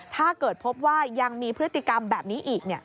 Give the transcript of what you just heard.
ถ้าเกิดพบว่ายังมีพฤติกรรมแบบนี้อีก